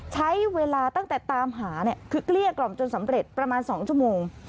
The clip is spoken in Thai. ใช้เวลาตั้งแต่ตามหาเนี่ยคือเกลี้ยกล่อมจนสำเร็จประมาณ๒ชั่วโมง